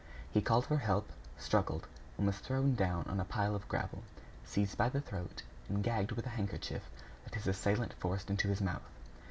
He called for help, struggled, and was thrown down on a pile of gravel, seized by the throat, and gagged with a handkerchief that his assailant forced into his mouth.